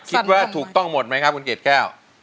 คิดว่าถูกต้องหมดไหมครับคุณเกดแก้ว